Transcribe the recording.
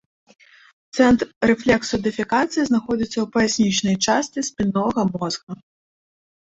Цэнтр рэфлексу дэфекацыі знаходзіцца ў паяснічнай частцы спіннога мозга.